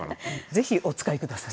ぜひお使い下さい。